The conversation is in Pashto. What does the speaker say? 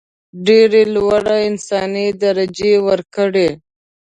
ډېره لوړه انساني درجه ورکړي.